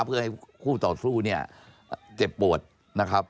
เพื่อให้คู่ต่อสู้เนี่ยเจ็บปวดนะครับ